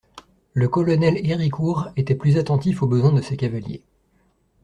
Le colonel Héricourt était plus attentif aux besoins de ses cavaliers.